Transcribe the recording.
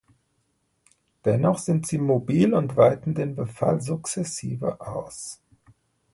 Dennoch sind sie mobil und weiten den Befall sukzessive aus.